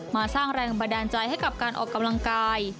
สร้างแรงบันดาลใจให้กับการออกกำลังกาย